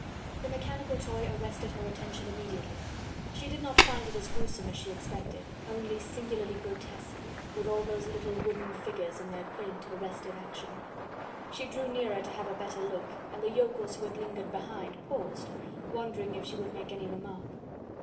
The mechanical toy arrested her attention immediately. She did not find it as gruesome as she expected, only singularly grotesque, with all those wooden little figures in their quaint, arrested action. She drew nearer to have a better look, and the yokels who had lingered behind, paused, wondering if she would make any remark.